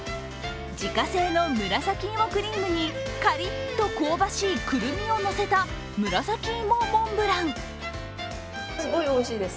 自家製の紫芋クリームにカリッと香ばしいくるみをのせた紫いもモンブラン。